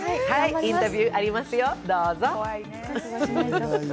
インタビューありますよ、どうぞ。